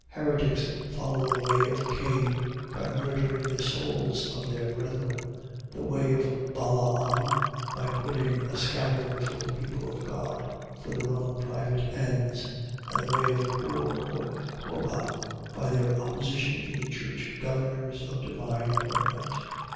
.Heretics follow the way of Cain, by murdering the souls of their brethren; the way of Balaam, by putting a scandal before the people of God, for their own private ends; and the way of Core or Korah, by their opposition to the church governors of divine appointment.